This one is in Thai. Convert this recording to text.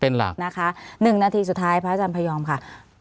๑นาทีสุดท้ายพระอาจารย์พระยอมค่ะ